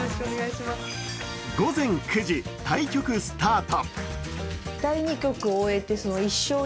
午前９時、対局スタート。